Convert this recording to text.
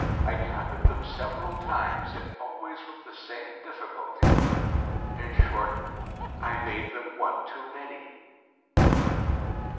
I counted them several times, yet always with the same difficulty. In short, I made them one too many.